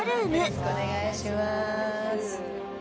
よろしくお願いします。